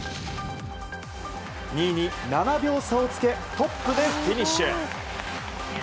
２位に７秒差をつけトップでフィニッシュ。